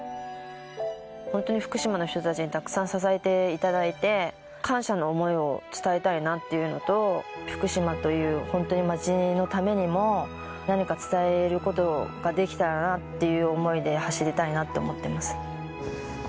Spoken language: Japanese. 本当に福島の人たちにたくさん支えていただいて、感謝の想いを伝えたいなっていうのと、福島という本当に町のためにも、何か伝えることができたらなっていう想いで走りたいなって思ってます。